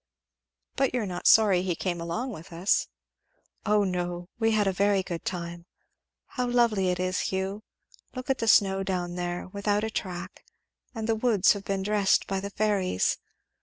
"But you are not sorry he came along with us?" "O no. We had a very good time. How lovely it is, Hugh! Look at the snow down there without a track; and the woods have been dressed by the fairies.